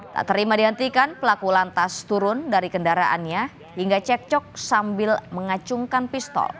tak terima dihentikan pelaku lantas turun dari kendaraannya hingga cek cok sambil mengacungkan pistol